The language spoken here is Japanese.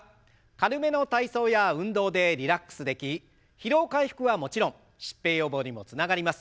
軽めの体操や運動でリラックスでき疲労回復はもちろん疾病予防にもつながります。